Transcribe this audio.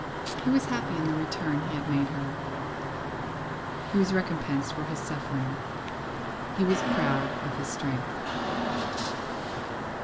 He was happy in the return he had made her, he was recompensed for his suffering, he was proud of his strength.